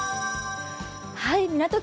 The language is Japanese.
港区